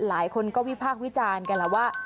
หลายคนก็วิพากษ์วิจารณ์กันแล้วว่า